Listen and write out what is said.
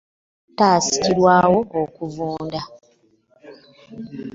Ekika kya ttass kirwawo okuvunda.